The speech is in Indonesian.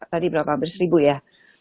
tadi berapa hampir seribu ya